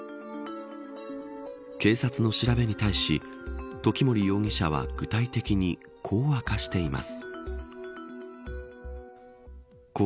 警察の調べに対し時森容疑者は具体的にこう明かしています。